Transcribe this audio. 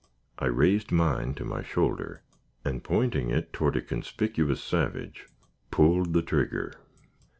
I raised mine to my shoulder, and pointing it toward a conspicuous savage, pulled the trigger.